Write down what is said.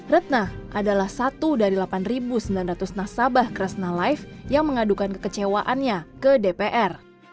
retna adalah satu dari delapan sembilan ratus nasabah kresna life yang mengadukan kekecewaannya ke dpr